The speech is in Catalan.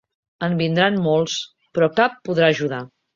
En vindran molts, però cap podrà ajudar.